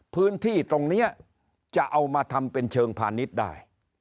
พื้นที่ตรงนี้จะเอามาทำเป็นเชิงพาณิชย์ได้